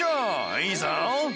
いいぞ！